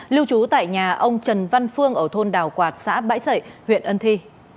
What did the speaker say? lưu trú tại nhà ông trần văn phương ở thôn đào quạt xã bãi sậy huyện ân thi